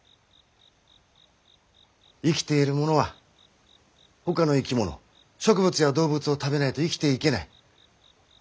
生きているものはほかの生き物植物や動物を食べないと生きていけない。